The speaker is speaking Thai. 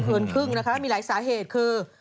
เกินครึ่งนะคะมีหลายสาเหตุคือ